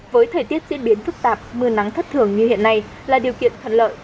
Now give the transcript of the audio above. với thời tiết diễn biến phức tạp mưa nắng thất thường như hiện nay là điều kiện thuận lợi